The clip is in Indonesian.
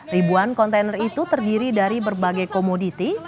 ribuan kontainer itu terdiri dari berbagai komoditi